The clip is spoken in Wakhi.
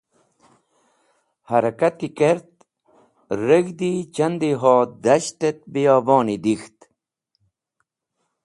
Harakati kert reg̃hdi chandinho das̃ht et biyoboni dek̃ht.